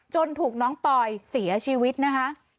ถูกน้องปอยเสียชีวิตนะคะ